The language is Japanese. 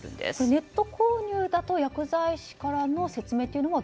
ネット購入だと薬剤師からの説明は